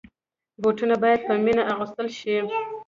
بوټونه باید په مینه اغوستل شي.